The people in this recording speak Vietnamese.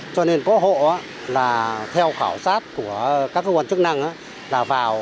cho nên có hộ là theo khảo sát của các cơ quan chức năng là vào